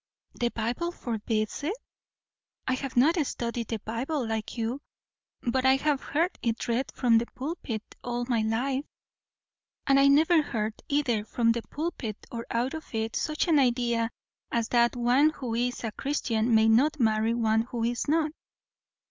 "The Bible forbids it? I have not studied the Bible like you; but I have heard it read from the pulpit all my life; and I never heard, either from the pulpit or out of it, such an idea, as that one who is a Christian may not marry one who is not."